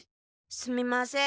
すみません。